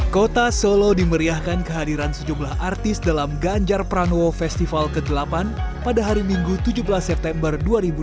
kota solo dimeriahkan kehadiran sejumlah artis dalam ganjar pranowo festival ke delapan pada hari minggu tujuh belas september dua ribu dua puluh